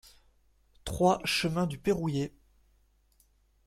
trois chemin du Payrouillé